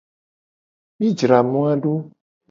Mi jra moa do.